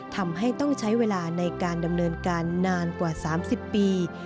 ทำให้ต้องใช้เวลาในการดำเนินการนานกว่า๓๐ปี